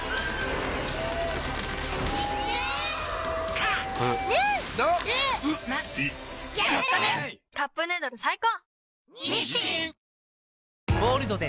「カップヌードル」最高！